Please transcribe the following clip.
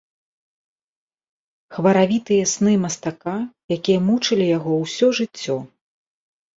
Хваравітыя сны мастака, якія мучылі яго ўсё жыццё.